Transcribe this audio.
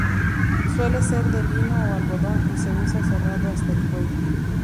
Suele ser de lino o algodón y se usa cerrado hasta el cuello.